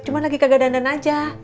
cuma lagi kagak dandan aja